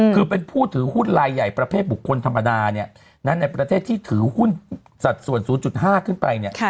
คือเป็นผู้ถือหุ้นลายใหญ่ประเภทบุคคลธรรมดาเนี่ยในประเทศที่ถือหุ้นสัดส่วน๐๕ขึ้นไปเนี่ย